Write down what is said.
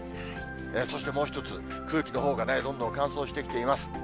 そしてもう一つ、空気のほうがね、どんどん乾燥してきています。